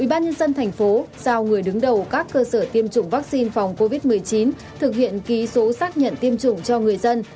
ubnd tp giao người đứng đầu các cơ sở tiêm chủng vaccine phòng covid một mươi chín thực hiện ký số xác nhận tiêm chủng cho người dân